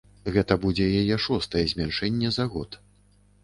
Гэта будзе яе шостае змяншэнне за год.